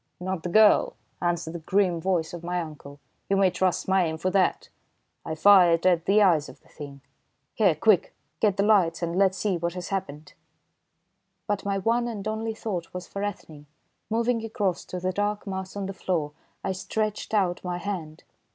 "Not the girl," answered the grim voice of my uncle, "you may trust my aim for that! I fired at the eyes of the Thing. Here, quick, get lights and let's see what has happened." But my one and only thought was for Ethne. Moving across to the dark mass on the floor, I stretched out my hand.